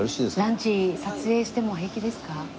ランチ撮影しても平気ですか？